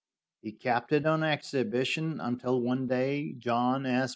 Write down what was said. He kept it on exhibition, until one day John S.